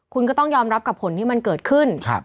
คุณก็ต้องยอมรับกับผลที่มันเกิดขึ้น